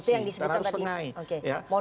dan harus tengahin